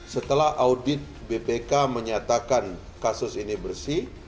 setelah audit bpk menyatakan kasus ini bersih